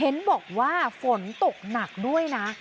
เห็นบอกว่าฝนตกหนักด้วยนะ